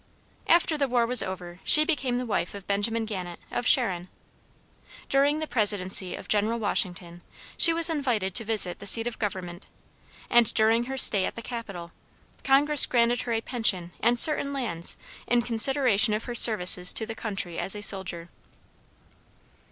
After the war was over, she became the wife of Benjamin Gannet, of Sharon. During the presidency of General Washington, she was invited to visit the seat of government, and, during her stay at the capital, Congress granted her a pension and certain lands in consideration of her services to the country as a soldier.